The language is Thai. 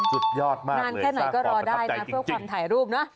สุดยอดมากนานแค่ไหนก็รอได้นะเพื่อความถ่ายรูปเนอะ